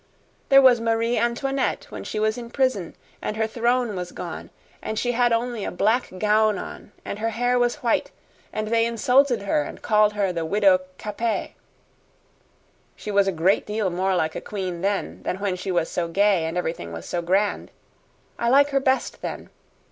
There was Marie Antoinette when she was in prison and her throne was gone and she had only a black gown on, and her hair was white, and they insulted her and called her Widow Capet. She was a great deal more like a queen then than when she was so gay and everything was so grand. I like her best then.